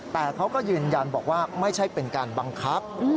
แต่เขาก็ยืนยันบอกว่าไม่ใช่เป็นการบังคับ